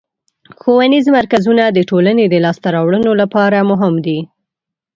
ښوونیز مرکزونه د ټولنې د لاسته راوړنو لپاره مهم دي.